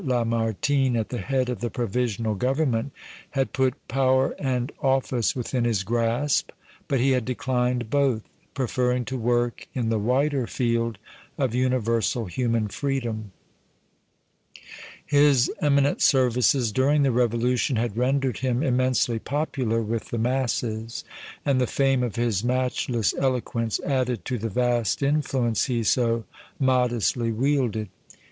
Lamartine at the head of the Provisional Government, had put power and office within his grasp, but he had declined both, preferring to work in the wider field of universal human freedom. His eminent services during the revolution had rendered him immensely popular with the masses, and the fame of his matchless eloquence added to the vast influence he so modestly wielded.